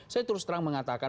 saya terus terang mengatakan